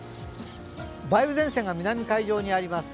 梅雨前線が南海上にあります。